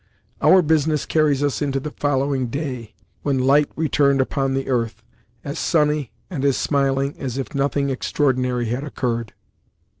Our business carries us into the following day, when light returned upon the earth, as sunny and as smiling as if nothing extraordinary had occurred.